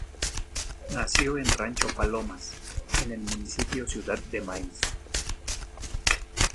Nació en Rancho Palomas, en el municipio Ciudad de Maíz.